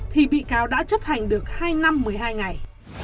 thì bị cáo đã chấp hành được hai năm một mươi hai ngày